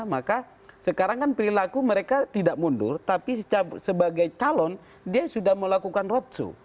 maka sekarang kan perilaku mereka tidak mundur tapi sebagai calon dia sudah melakukan roadsu